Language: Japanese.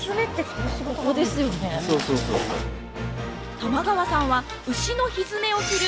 玉川さんは牛のひづめを削る